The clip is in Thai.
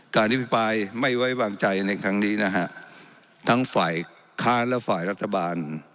อภิปรายไม่ไว้วางใจในครั้งนี้นะฮะทั้งฝ่ายค้านและฝ่ายรัฐบาล